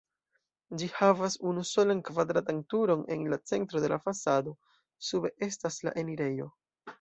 Ĝi havas unusolan kvadratan turon en centro de la fasado, sube estas la enirejo.